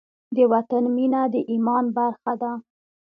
د وطن مینه د ایمان برخه ده.